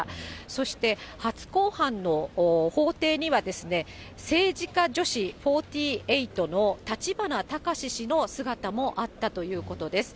そして初公判の法廷には、政治家女子４８党の立花孝志氏の姿もあったということです。